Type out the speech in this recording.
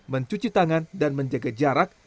mencuci tangan dan menjaga jarak